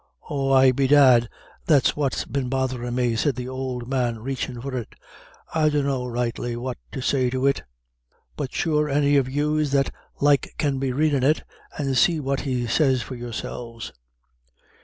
"Oh, ay, bedad, that's what's been botherin' me," said the old man, reachin' for it, "I dunno rightly what to say to it. But sure any of yous that like can be readin' it, and see what he sez for yourselves."